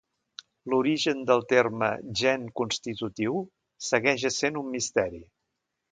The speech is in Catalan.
L'origen del terme "gen constitutiu" segueix essent un misteri.